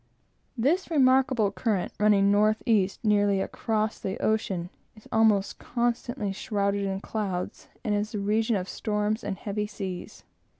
This remarkable current, running north east, nearly across the ocean, is almost constantly shrouded in clouds, and is the region of storms and heavy seas.